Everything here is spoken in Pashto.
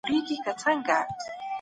هغې د بازار بدلونونه څارل.